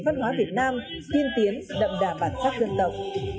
văn hóa việt nam tiên tiến đậm đà bản sắc dân tộc